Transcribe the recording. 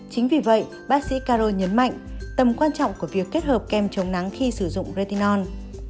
chính vì vậy bác sĩ caro nhấn mạnh tầm quan trọng của việc kết hợp kem chống nắng khi sử dụng retinon